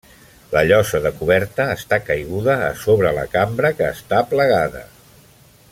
La llosa de coberta està caiguda a sobre la cambra que està plegada.